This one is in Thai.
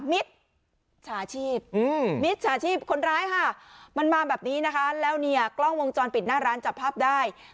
มิตรฉาชีพมิจฉาชีพคนร้ายค่ะมันมาแบบนี้นะคะแล้วเนี่ยกล้องวงจรปิดหน้าร้านจับภาพได้